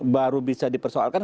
baru bisa dipersoalkan